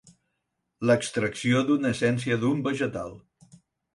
L'extracció d'una essència d'un vegetal.